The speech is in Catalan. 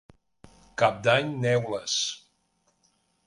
Cap d'Any, neules.